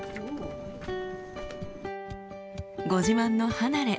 ご自慢の離れ